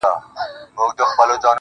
• د سلگيو ږغ يې ماته را رسيږي.